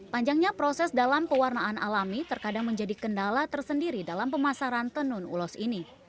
panjangnya proses dalam pewarnaan alami terkadang menjadi kendala tersendiri dalam pemasaran tenun ulos ini